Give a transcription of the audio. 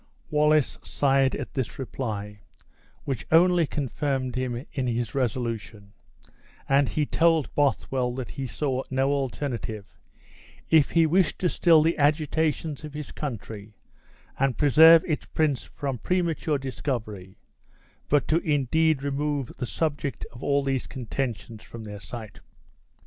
'" Wallace sighed at this reply, which only confirmed him in his resolution, and he told Bothwell that he saw no alternative, if he wished to still the agitations of his country, and preserve its prince from premature discovery, but to indeed remove the subject of all these contentions from their sight.